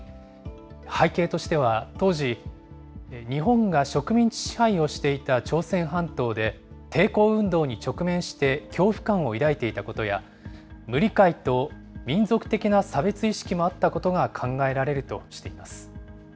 背景としては当時、日本が植民地支配をしていた朝鮮半島で、抵抗運動に直面して恐怖感を抱いていたことや、無理解と民族的な差別意識もあったことが考えられるとしています。